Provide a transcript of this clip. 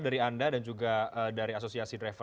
dari anda dan juga dari asosiasi driver